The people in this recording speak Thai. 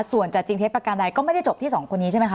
ส่วนจะจริงเท็จประการใดก็ไม่ได้จบที่สองคนนี้ใช่ไหมค